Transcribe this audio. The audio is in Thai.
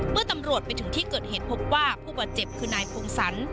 เมื่อตำรวจไปถึงที่เกิดเหตุพบว่าผู้บาดเจ็บคือนายพงศร